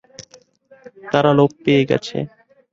তারা লোপ পেয়ে গেছে।